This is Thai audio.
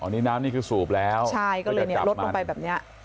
น้ำนี้คือสูบแล้วใช่ก็เลยลดลงไปแบบนี้